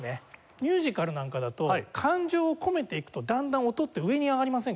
ミュージカルなんかだと感情を込めていくとだんだん音って上に上がりませんか？